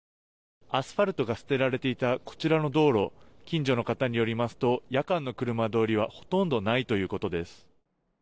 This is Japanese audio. アスファルトが捨てられていたこちらの道路近所の方によりますと夜間の車通りはほとんどないということです。